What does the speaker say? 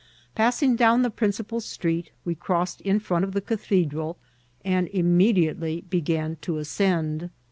Passing down the principal street, we crossed in front of the Cathedral, and immediately began to as cend.